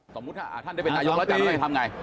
สมมุติถ้าท่านได้เป็นนายกแล้วจะทำไง